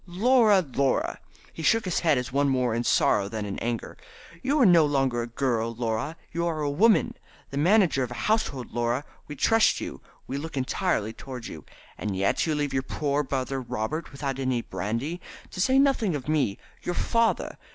"Laura! Laura!" He shook his head as one more in sorrow than in anger. "You are no longer a girl, Laura; you are a woman, the manager of a household, Laura. We trust in you. We look entirely towards you. And yet you leave your poor brother Robert without any brandy, to say nothing of me, your father.